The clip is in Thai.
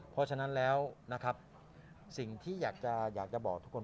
เพราะฉะนั้นแล้วนะครับสิ่งที่อยากจะบอกทุกคน